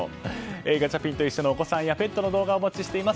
ガチャピンといっしょ！のお子さんやペットの動画お待ちしています。